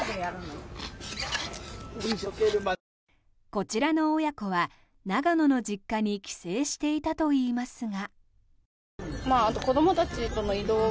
こちらの親子は長野の実家に帰省していたといいますが。